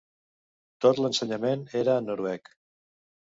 Tot l'ensenyament era en noruec.